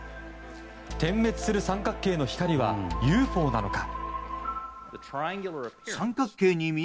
点滅する三角形の光はＵＦＯなのか？